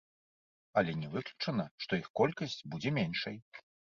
Але не выключана, што іх колькасць будзе меншай.